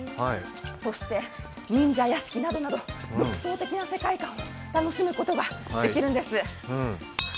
そして忍者屋敷などなど独創的な世界観を楽しむことができるんです。